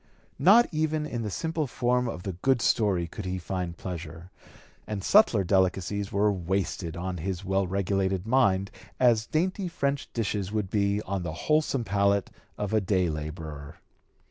Not even in the simple form of the "good story" could he find pleasure, and subtler delicacies were wasted on his well regulated mind as dainty French dishes would be on the wholesome palate of a day laborer.